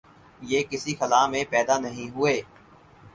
یہ کسی خلا میں پیدا نہیں ہوئے۔